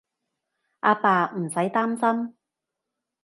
阿爸，唔使擔心